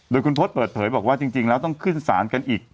โดยคุณพศเปิดเผยบอกว่าจริงแล้วต้องขึ้นศาลกันอีก